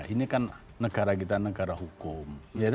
ini kan negara kita negara hukum